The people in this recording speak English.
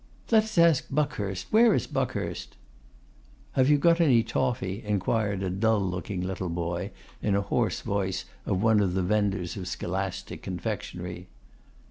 'Let us ask Buckhurst. Where is Buckhurst?' 'Have you got any toffy?' inquired a dull looking little boy, in a hoarse voice, of one of the vendors of scholastic confectionery.